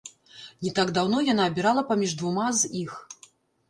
Не так даўно яна абірала паміж двума з іх.